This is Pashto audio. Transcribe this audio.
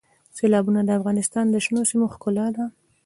سیلابونه د افغانستان د شنو سیمو ښکلا ده.